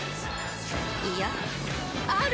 いやある！